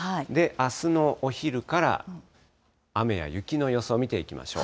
あすのお昼から雨や雪の予想を見ていきましょう。